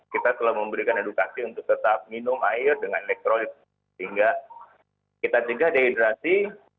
kita telah memberikan edukasi untuk tetap minum air dengan netrolit sehingga kita cegah dehidrasi